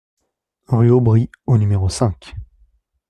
Rue Aubry au numéro cinq